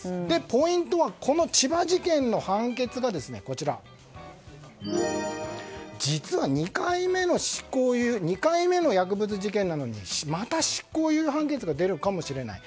ポイントはこの千葉事件の判決が実は、２回目の薬物事件なのにまた執行猶予判決が出るかもしれない。